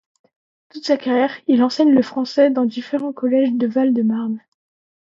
Toute sa carrière, il enseigne le français dans différents collèges du Val-de-Marne.